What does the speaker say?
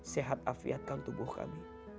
sehat afiatkan tubuh kami